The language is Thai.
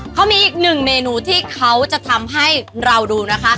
เขามีอีกหนึ่งเมนูที่เขาจะทำให้เราดูนะคะ